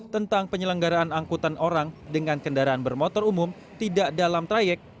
tentang penyelenggaraan angkutan orang dengan kendaraan bermotor umum tidak dalam trayek